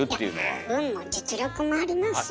いや運も実力もありますよ